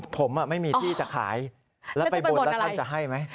ผมไม่มีที่จะขายแล้วไปบุญแล้วท่านจะให้ไหม